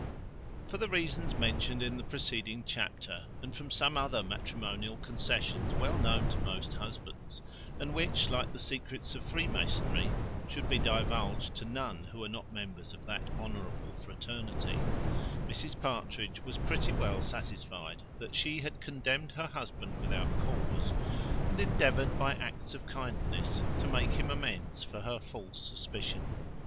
For the reasons mentioned in the preceding chapter, and from some other matrimonial concessions, well known to most husbands, and which, like the secrets of freemasonry, should be divulged to none who are not members of that honourable fraternity, Mrs Partridge was pretty well satisfied that she had condemned her husband without cause, and endeavoured by acts of kindness to make him amends for her false suspicion.